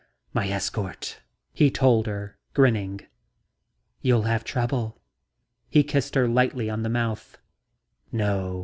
"My escort," he told her grinning. "You'll have trouble..." He kissed her lightly on the mouth. "No.